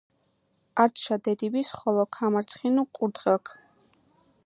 ართშა დედიბის ხოლო ქამარცხინუ კურდღელქ."